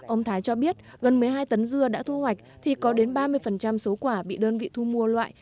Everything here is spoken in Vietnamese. ông thái cho biết gần một mươi hai tấn dưa đã thu hoạch thì có đến ba mươi số quả bị đơn vị thu mua loại